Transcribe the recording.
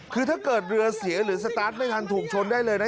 คือถ้าเกิดเรือเสียหรือสตาร์ทไม่ทันถูกชนได้เลยนะ